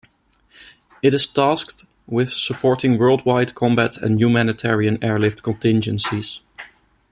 It is tasked with supporting worldwide combat and humanitarian airlift contingencies.